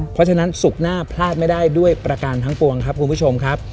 เพราะฉะนั้นศุกร์หน้าพลาดไม่ได้ด้วยประการทั้งปวงครับคุณผู้ชมครับ